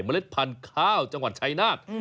เล็ดพันธุ์ข้าวจังหวัดชายนาฏ